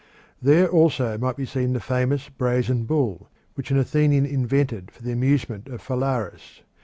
There also might be seen the famous brazen bull which an Athenian invented for the amusement of Phalaris.